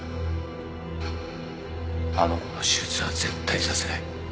あの子の手術は絶対させない。